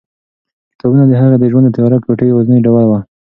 کتابونه د هغې د ژوند د تیاره کوټې یوازینۍ ډېوه وه.